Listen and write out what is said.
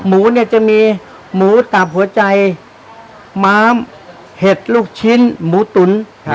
หมูเนี่ยจะมีหมูตับหัวใจม้ามเห็ดลูกชิ้นหมูตุ๋น